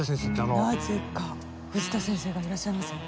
なぜか藤田先生がいらっしゃいますよ。